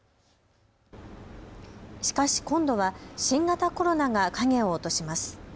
しかし、今度は新型コロナが影を落とします。